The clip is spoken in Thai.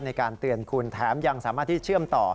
ในการเตือนคุณแถมยังสามารถที่เชื่อมต่อ